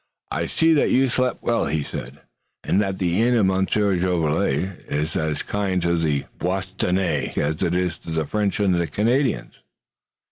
"I see that you've slept well," he said, "and that the inn of Monsieur Jolivet is as kind to the Bostonnais as it is to the French and the Canadians."